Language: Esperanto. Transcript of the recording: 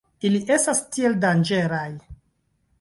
Ili estas tiel danĝeraj.